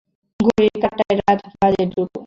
ঘড়ির কাটায় রাত বাজে দুটা।